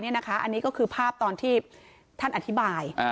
อันนี้ก็คือภาพตอนที่ท่านอธิบาย